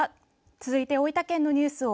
続いて大分県のニュースを